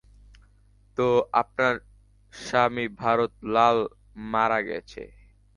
তো আপনার স্বামী ভারত লাল মারা গেছে।